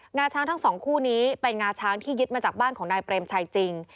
งาช้างทั้งสองคู่นี้เป็นงาช้างที่ยึดมาจากบ้านของนายเปรมชัยจริง